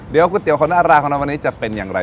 เดี๋ยวก๋วยเตี๋ยของนาราของเราวันนี้จะเป็นอย่างไร